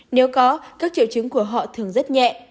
nếu có các triệu chứng của họ thường rất nhẹ